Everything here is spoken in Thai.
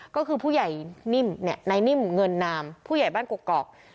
ก็คือผู้ใหญ่นิ่มนายนิ่มเงินนามผู้ใหญ่บ้านกกอก